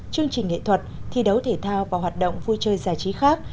chương trình nghệ thuật thi đấu thể thao và hoạt động vui chơi giải trí khác